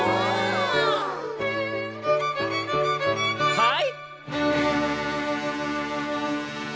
はい！